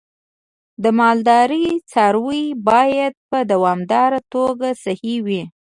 د مالدارۍ څاروی باید په دوامداره توګه صحي وي.